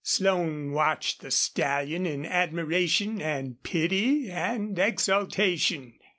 Slone watched the stallion in admiration and pity and exultation.